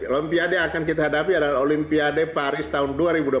olimpiade yang akan kita hadapi adalah olimpiade paris tahun dua ribu dua puluh